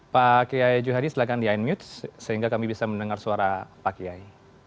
pak kiai juhadi silakan di unmute sehingga kami bisa mendengar suara pak kiai